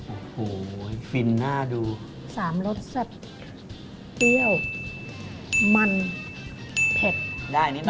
โอ้โหฟินหน้าดูสามรสเสร็จเตี้ยวมันเผ็ดได้นิดหน่อย